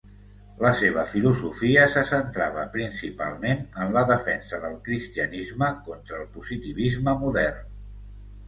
La seva filosofia se centrava principalment en la defensa del cristianisme contra el positivisme modern.